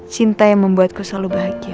cinta yang membuatku selalu bahagia